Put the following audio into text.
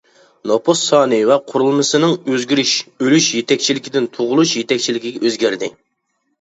نوپۇس سانى ۋە قۇرۇلمىسىنىڭ ئۆزگىرىشى ئۆلۈش يېتەكچىلىكىدىن تۇغۇلۇش يېتەكچىلىكىگە ئۆزگەردى.